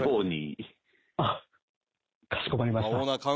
あかしこまりました。